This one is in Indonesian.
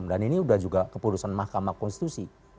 dan ini sudah juga keputusan mahkamah konstitusi